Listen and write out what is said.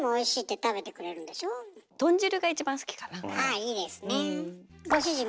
あいいですね。